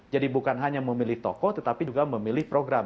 jadi bukan hanya memilih tokoh tetapi juga memilih program